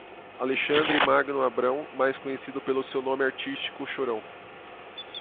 Alexandre Magno Abrão, mais conhecido pelo seu nome artístico Chorão